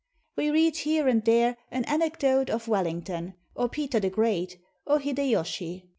We read here and there an anecdote of WelHngton, or Peter the Great, or Hideyoshi.